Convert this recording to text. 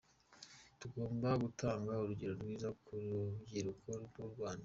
Tugomba kutanga urugero rwiza ku rubyiruko rw’u Rwanda.